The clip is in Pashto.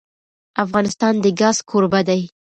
افغانستان د ګاز کوربه دی.